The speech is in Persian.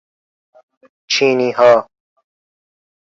چینیها